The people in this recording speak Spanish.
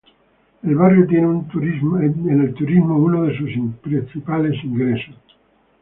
El barrio tiene en el turismo uno de sus principales ingresos.